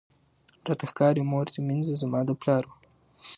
راته ښکاری مور دي مینځه زما د پلار وه